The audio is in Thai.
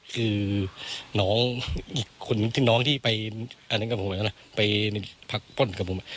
คือน้องที่ไปอันนั้นกับผมนะไปพักป้นกับผม